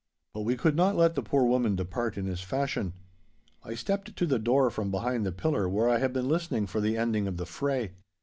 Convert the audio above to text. But we could not let the poor woman depart in this fashion. I stepped to the door from behind the pillar where I had been listening for the ending of the fray.